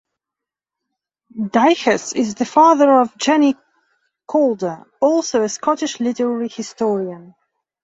Daiches is the father of Jenni Calder, also a Scottish literary historian.